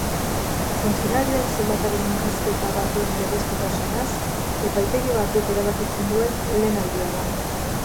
Funtzionarioen soldataren murrizketa baten legezkotasunaz epaitegi batek erabakitzen duen lehen aldia da.